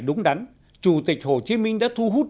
đúng đắn chủ tịch hồ chí minh đã thu hút